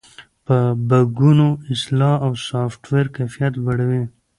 د بګونو اصلاح د سافټویر کیفیت لوړوي.